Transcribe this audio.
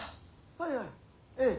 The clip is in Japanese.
はいはいええ。